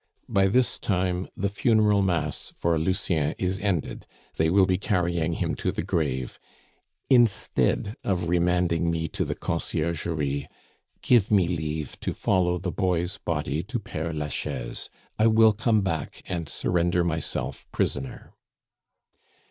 By this time the funeral mass for Lucien is ended; they will be carrying him to the grave. Instead of remanding me to the Conciergerie, give me leave to follow the boy's body to Pere Lachaise. I will come back and surrender myself prisoner."